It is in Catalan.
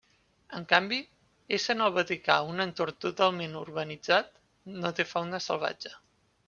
En canvi, essent el Vaticà un entorn totalment urbanitzat, no té fauna salvatge.